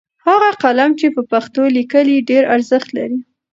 هغه قلم چې په پښتو لیکي ډېر ارزښت لري.